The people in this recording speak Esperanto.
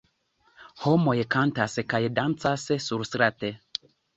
Homoj kantas kaj dancas surstrate.